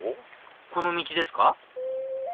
この道ですか？